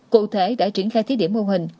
cụ thể đã triển khai thí điểm mô hình